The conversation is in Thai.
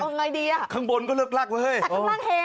เอาไงดีอ่ะข้างบนก็เลือกรักไว้เฮ้ยแต่ข้างหลังแฮนะ